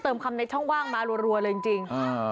เติมคำในช่องว่างมารวดเลยจริง